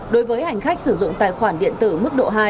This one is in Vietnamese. đối với hành khách sử dụng tài khoản điện tử mức độ hai